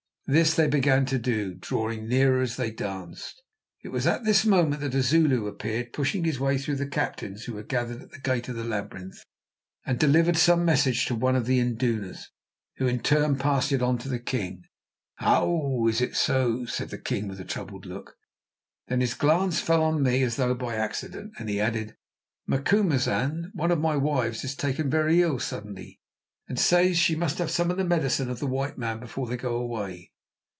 This they began to do, drawing nearer as they danced. It was at this moment that a Zulu appeared, pushing his way through the captains who were gathered at the gate of the labyrinth, and delivered some message to one of the indunas, who in turn passed it on to the king. "Ow! is it so?" said the king with a troubled look. Then his glance fell on me as though by accident, and he added: "Macumazahn, one of my wives is taken very ill suddenly, and says she must have some of the medicine of the white men before they go away.